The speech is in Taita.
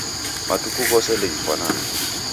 Matuku ghose ndeghifwanane.